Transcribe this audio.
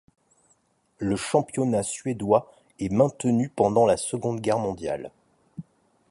Le championnat suédois est maintenu pendant la Seconde Guerre mondiale.